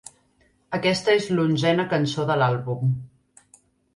Aquesta és l'onzena cançó de l'àlbum.